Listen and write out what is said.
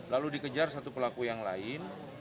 lalu dikejar satu pelaku yang lain